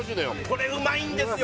これうまいんですよ